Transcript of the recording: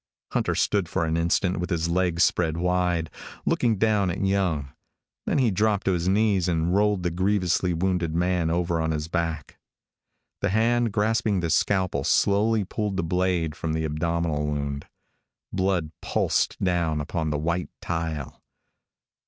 Hunter stood for an instant with his legs spread wide, looking down at Young. Then he dropped to his knees and rolled the grievously wounded man over on his back. The hand grasping the scalpel slowly pulled the blade from the abdominal wound. Blood pulsed out upon the white tile.